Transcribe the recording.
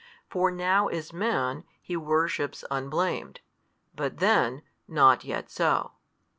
For now as Man, He worships unblamed: but then, not yet so.